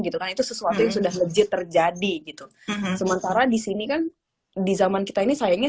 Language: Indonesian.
gitu kan itu sesuatu yang sudah legit terjadi gitu sementara di sini kan di zaman kita ini sayangnya